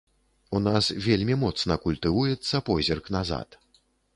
У нас вельмі моцна культывуецца позірк назад.